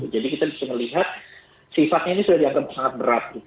jadi kita bisa melihat sifatnya ini sudah dianggap sangat berat